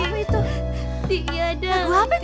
gak ada yang ngelatiin sekali